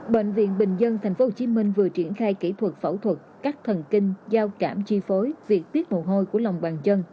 bệnh viện bình dân tp hcm vừa triển khai kỹ thuật phẫu thuật cắt thần kinh giao trạm chi phối việc tiết mồ hôi của lòng bàn chân